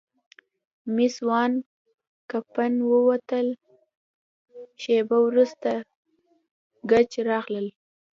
مېس وان کمپن ووتل، شیبه وروسته ګېج راغلل.